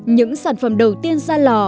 những sản phẩm đầu tiên ra lò